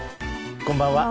こんばんは。